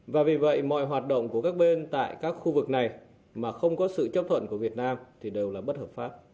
và vì vậy mọi hoạt động của các bên tại các khu vực này mà không có sự chấp thuận của việt nam thì đều là bất hợp pháp